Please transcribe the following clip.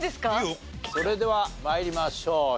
それでは参りましょう。